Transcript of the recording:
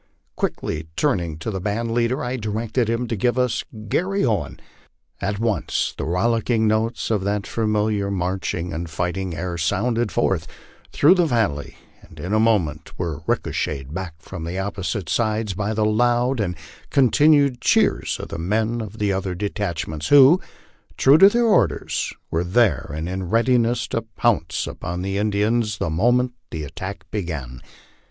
Quickly turning to the band leader, I directed him to give us " Garry Owen." At once the rol licking notes of that familiar marching and fighting air sounded forth through the valley, and in a moment were reechoed back from the opposite sides by the loud and continued cheers of the men of the other detachments, who, true to their orders, were there and in readiness to pounce upon the Indians the mo ment the attack began.